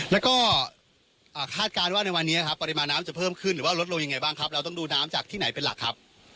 แล้วก็คาดการณ์ว่าในวันนี้ครับปริมาณน้ำจะเพิ่มขึ้นหรือว่าลดลงยังไงบ้างครับเราต้องดูน้ำจากที่ไหนเป็นหลักครับ